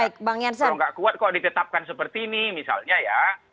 kalau nggak kuat kok ditetapkan seperti ini misalnya ya